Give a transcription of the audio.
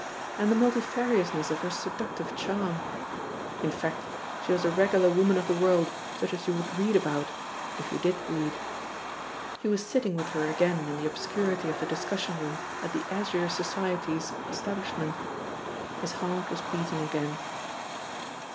And the multifariousness of her seductive charm! In fact, she was a regular woman of the world, such as you would read about if you did read! ... He was sitting with her again in the obscurity of the discussion room at the Azure Society's establishment. His heart was beating again.